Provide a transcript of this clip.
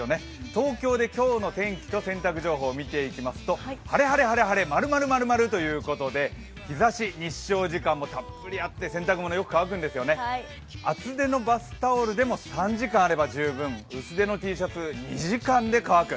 東京で今日の天気と洗濯情報を見ていきますと晴れ、晴れ、晴れ、晴れ○○○○ということで、日照時間がたっぷりあって厚手のバスタオルでも３時間あれば十分、薄手のＴシャツ、２時間で乾く。